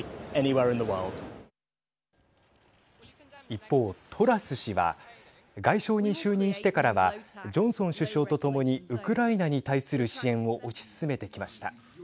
一方、トラス氏は外相に就任してからはジョンソン首相とともにウクライナに対する支援を推し進めてきました。